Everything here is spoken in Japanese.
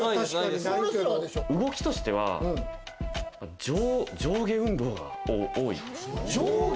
動きとしては、上下運動が多い。